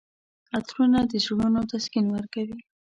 عطرونه د زړونو تسکین ورکوي.